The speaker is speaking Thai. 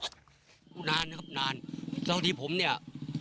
ช่องแบบนี้ต้องไปนานครับนานที่ผมเนี่ย